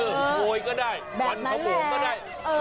โฮยก็ได้ควันพะโปรกก็ได้